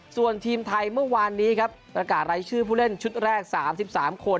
ส่วนทีมไทยเมื่อวานนี้ครับประกาศรายชื่อผู้เล่นชุดแรก๓๓คน